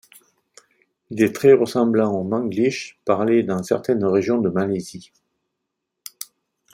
Il est très ressemblant au Manglish parlé dans certaines régions de Malaisie.